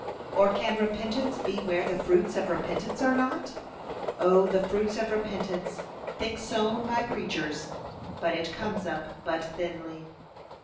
or can repentance be where the fruits of repentance are not? O the fruits of repentance, thick sown by preachers, but it comes up but thinly!